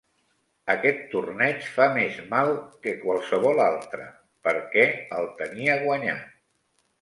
Aquest torneig fa més mal que qualsevol altre, perquè el tenia guanyat.